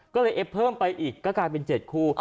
ก็เลยเอฟเพิ่มไปอีกก็กลายเป็น๗คู่